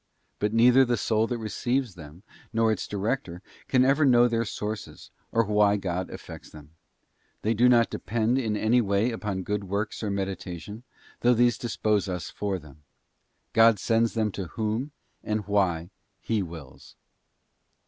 But neither the soul that receives them, nor its director, can ever know their sources, or why God effects them; they do not depend in any way upon good works or meditation, though these dis pose us for them. God sends them to whom, and why, He wills.